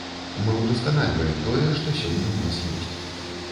Мы ўдасканальваем тое, што сёння ў нас ёсць.